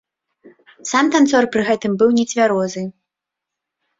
Сам танцор пры гэтым быў нецвярозы.